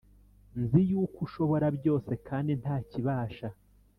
nzi yuko ushobora byose kandi nta kibasha